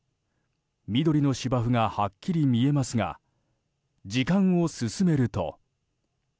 緑の芝生がはっきり見えますが時間を進めると。